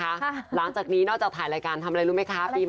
หลังจากนี้นอกจากถ่ายรายการทำอะไรรู้ไหมคะปีใหม่